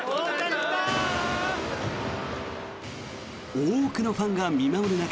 多くのファンが見守る中